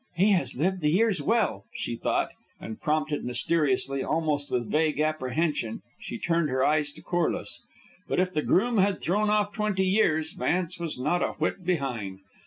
"He has lived the years well," she thought, and prompted mysteriously, almost with vague apprehension she turned her eyes to Corliss. But if the groom had thrown off twenty years, Vance was not a whit behind.